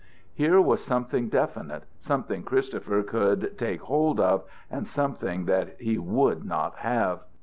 Here was something definite, something Christopher could take hold of, and something that he would not have.